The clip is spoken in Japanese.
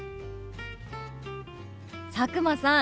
佐久間さん